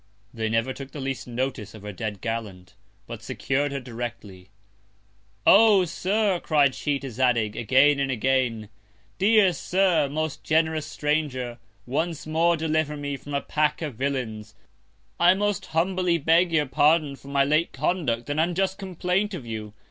They never took the least Notice of her dead Gallant, but secur'd her directly. Oh! Sir, cried she to Zadig, again and again, dear Sir, most generous Stranger, once more deliver me from a Pack of Villains. I most humbly beg your Pardon for my late Conduct and unjust Complaint of you.